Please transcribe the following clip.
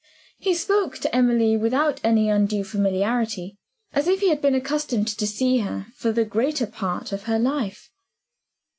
He spoke to Emily (without any undue familiarity) as if he had been accustomed to see her for the greater part of her life.